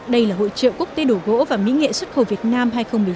đây là hội trợ quốc tế đồ gỗ và mỹ nghệ xuất khẩu việt nam hai nghìn một mươi chín